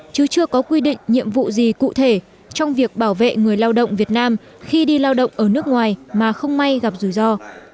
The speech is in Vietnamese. chứ chưa có quy định nhiệm vụ gì cụ thể trong việc bảo vệ người lao động việt nam khi đi lao động ở nước ngoài mà không may gặp rủi ro